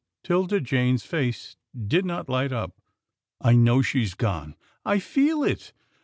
'Tilda Jane's face did not light up. I know she's gone. I feel it.